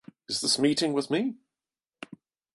Is this meeting with me?